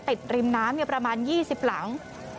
ริมน้ำประมาณ๒๐หลัง